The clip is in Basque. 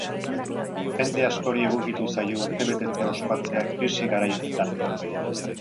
Jende askori egokitu zaio urtebetetzea ospatzea krisi garai honetan.